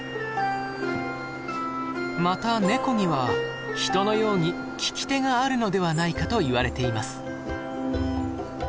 またネコには人のように利き手があるのではないかといわれています。